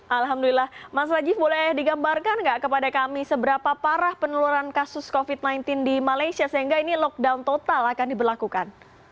alhamdulillah mas rajif boleh digambarkan nggak kepada kami seberapa parah peneluran kasus covid sembilan belas di malaysia sehingga ini lockdown total akan diberlakukan